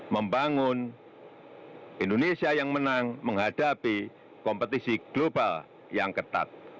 membangun indonesia yang menang menghadapi kompetisi global yang ketat